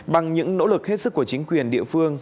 bằng những nỗ lực hết sức của chính quyền địa phương